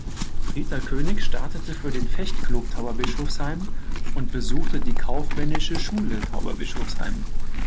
Rita König startete für den Fecht-Club Tauberbischofsheim und besuchte die Kaufmännische Schule Tauberbischofsheim.